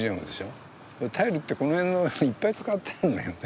タイルってこの辺いっぱい使ってるんだよね。